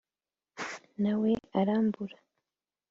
na we arambura